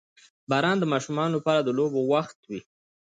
• باران د ماشومانو لپاره د لوبو وخت وي.